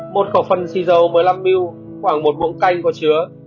một cọp phần xì dầu một mươi năm ml khoảng một muỗng canh có chứa